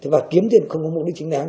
và kiếm tiền không có mục đích chính đáng